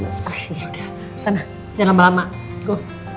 udah sana jangan lama lama go